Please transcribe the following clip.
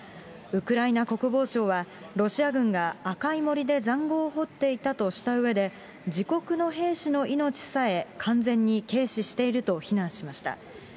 ウクライナ国防省は、ロシア軍が赤い森で塹壕を掘っていたとしたうえで、自国の兵士の命さえ完全に軽視していると非難しました。